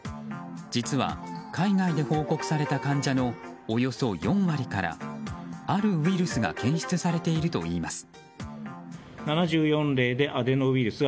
実は、海外で報告された患者のおよそ４割からあるウイルスが検出されているといいます。